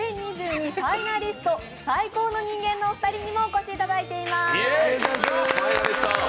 ファイナリスト最高の人間のお二人にもお越しいただいています。